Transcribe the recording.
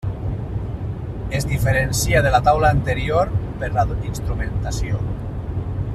Es diferencia de la taula anterior per la instrumentació.